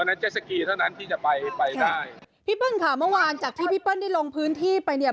เจสสกีเท่านั้นที่จะไปไปได้พี่เปิ้ลค่ะเมื่อวานจากที่พี่เปิ้ลได้ลงพื้นที่ไปเนี่ย